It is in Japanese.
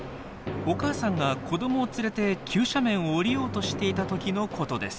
お母さんが子どもを連れて急斜面を下りようとしていた時のことです。